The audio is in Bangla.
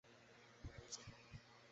আপনাকে এক ঘন্টা অপেক্ষা করতে হবে।